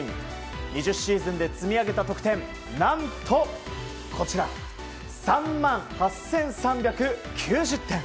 ２０シーズンで積み上げた得点何と、３万８３９０点。